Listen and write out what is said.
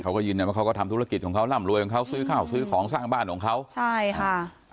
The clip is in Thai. เขาก็ยืนยันว่าเขาก็ทำธุรกิจของเขาร่ำรวยของเขาซื้อข้าวซื้อของสร้างบ้านของเขาใช่ค่ะ